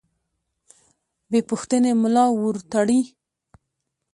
بې پوښتنې ملا ورتړي.